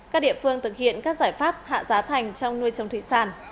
các địa phương thực hiện các giải pháp hạ giá thành trong nuôi trồng thủy sản